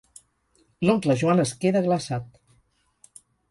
L'oncle Joan es queda glaçat.